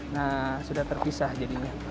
nah sudah terpisah jadinya